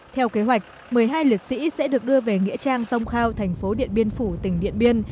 theo kế hoạch một mươi hai liệt sĩ sẽ được đưa về nghĩa trang tông khao thành phố điện biên phủ tỉnh điện biên